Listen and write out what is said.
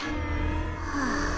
はあ。